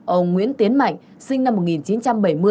ông nguyễn tiến mạnh sinh năm một nghìn chín trăm bảy mươi